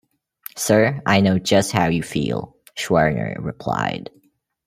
"Sir, I know just how you feel," Schwerner replied.